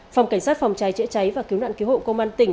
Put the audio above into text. phòng cảnh sát phòng cháy chữa cháy và cứu nạn cứu hộ công an tỉnh